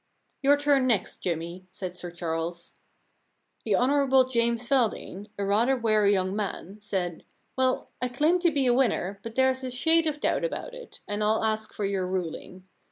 * Your turn next, Jimmy,' said Sir Charles. The Hon. James Feldane, a rather weary young man, said, * Well, I claim to be a winner, but there's a shade of doubt about it, and ril ask for your ruling.